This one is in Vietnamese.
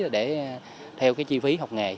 để theo chi phí học nghề